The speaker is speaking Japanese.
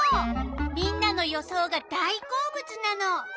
みんなの予想が大好物なの。